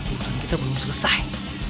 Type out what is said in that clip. urusan kita belum selesai